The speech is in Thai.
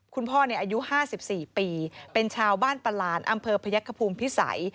คุณพ่ออายุ๕๔ปีเป็นชาวบ้านประหลานอำเภอพยักษภูมิพิสัย